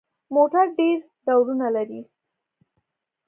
موټر ډېر ډولونه لري.